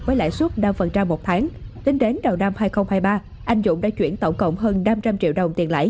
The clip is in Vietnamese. với lãi suất năm một tháng tính đến đầu năm hai nghìn hai mươi ba anh dũng đã chuyển tổng cộng hơn năm trăm linh triệu đồng tiền lãi